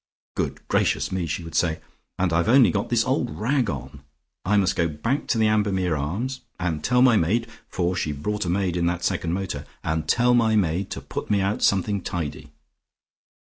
'Good gracious me,' she would say, 'and I've only got this old rag on. I must go back to the Ambermere Arms, and tell my maid for she brought a maid in that second motor and tell my maid to put me out something tidy.'